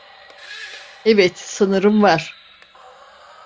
Evet, sanırım var.